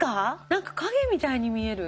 何か影みたいに見える。